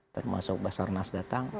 termasuk basarnas datang